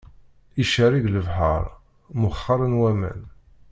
Icerreg lebḥeṛ, mwexxaṛen waman.